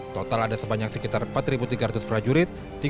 total ada sebanyak sekitar empat tiga ratus prajurit